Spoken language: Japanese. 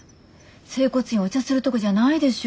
整骨院お茶するとこじゃないでしょ